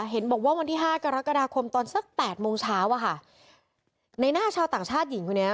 เห็นบอกว่าวันที่ห้ากรกฎาคมตอนสักแปดโมงเช้าอะค่ะในหน้าชาวต่างชาติหญิงคนนี้